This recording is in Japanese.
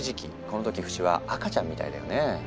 この時フシは赤ちゃんみたいだよね。